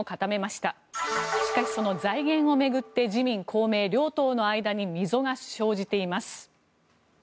しかし、その財源を巡って自民・公明両党の間に溝が生じています。